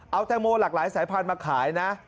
เอาแตงโมหลากหลายสายพันธุ์มาขายนะ